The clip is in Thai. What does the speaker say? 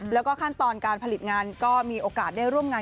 แล้วก็ขั้นตอนการผลิตงานก็มีโอกาสได้ร่วมงาน